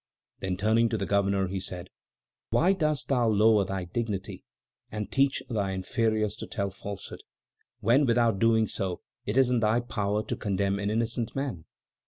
Then, turning to the governor he said: "Why dost thou lower thy dignity and teach thy inferiors to tell falsehood, when, without doing so, it is in thy power to condemn an innocent man?"